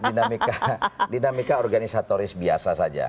dinamika organisatoris biasa saja